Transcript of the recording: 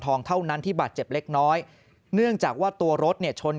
เท่านั้นที่บาดเจ็บเล็กน้อยเนื่องจากว่าตัวรถเนี่ยชน